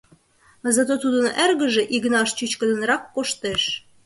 Зато тудын эргыже Игнаш чӱчкыдынрак коштеш.